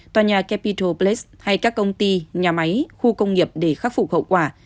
tòa nhà capital place hay các công ty nhà máy khu công nghiệp để khắc phục hậu quả